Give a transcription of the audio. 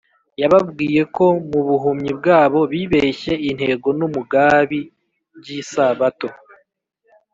yababwiye ko mu buhumyi bwabo bibeshye intego n’umugabi by’isabato